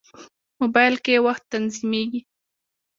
موبایل کې وخت تنظیمېږي.